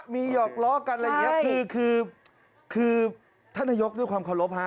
มีหยอกล้อกันอะไรอย่างนี้คือคือท่านนายกด้วยความเคารพฮะ